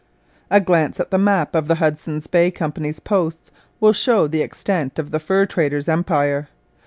] A glance at the map of the Hudson's Bay Company's posts will show the extent of the fur traders' empire.